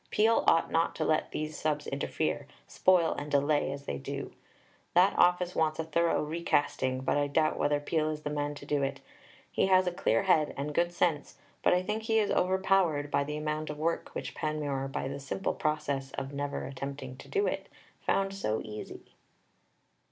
Peel ought not to let these Subs. interfere, spoil and delay as they do. That office wants a thorough recasting, but I doubt whether Peel is the man to do it. He has a clear head and good sense, but I think he is over powered by the amount of work which Panmure by the simple process of never attempting to do it found so easy."